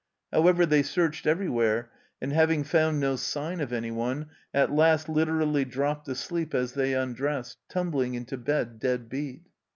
However, they searched every where, and, having found no sign of anyone, at last literally dropped asleep as they undressed, tumbling into bed dead beat.